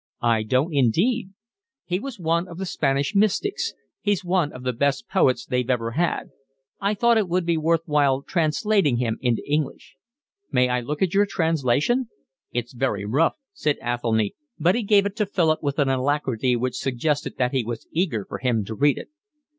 "I don't indeed." "He was one of the Spanish mystics. He's one of the best poets they've ever had. I thought it would be worth while translating him into English." "May I look at your translation?" "It's very rough," said Athelny, but he gave it to Philip with an alacrity which suggested that he was eager for him to read it.